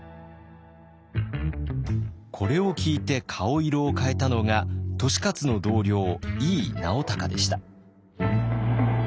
これを聞いて顔色を変えたのが利勝の同僚井伊直孝でした。